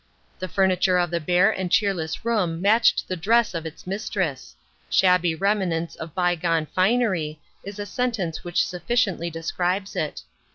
The furniture of the bare and cheerless room matched the dress of its mistress ; shabby remnants of by gone finery, is a sentence which sufficiently describes it.